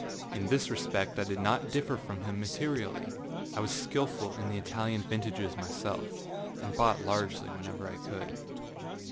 In this respect I did not differ from him materially: I was skilful in the Italian vintages myself, and bought largely whenever I could.